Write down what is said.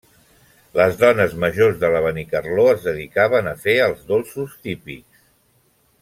Les dones majors de la Benicarló es dedicaven a fer els dolços típics.